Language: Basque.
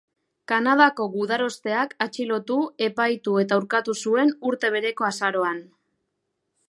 Kanadako gudarosteak atxilotu, epaitu eta urkatu zuen, urte bereko azaroan.